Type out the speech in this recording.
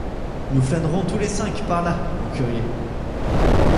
Nous flânerons tous les cinq, par là, en curieux!